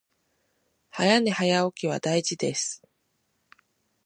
早寝早起きは大事です